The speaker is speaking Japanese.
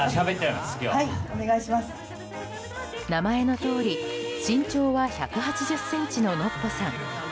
名前のとおり身長は１８０ｃｍのノッポさん。